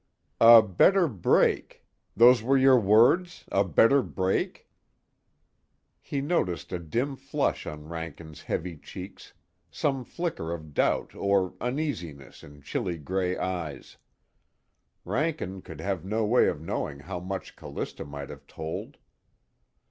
"A better break. Those were your words, 'a better break'?" He noticed a dim flush on Rankin's heavy cheeks, some flicker of doubt or uneasiness in chilly gray eyes. Rankin could have no way of knowing how much Callista might have told.